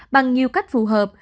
bằng nhiều cách phù hợp